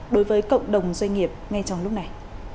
đối với cộng đồng doanh nghiệp ngay trong lúc này